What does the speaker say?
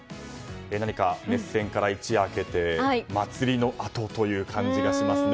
何か熱戦から一夜明けて祭りのあとという感じがしますね。